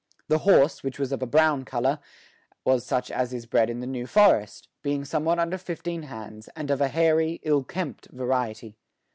The horse, which was of a brown colour, was such as is bred in the New Forest, being somewhat under fifteen hands and of a hairy, ill kempt variety.